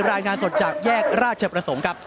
รายงานสดจากแยกราชประสงค์ครับ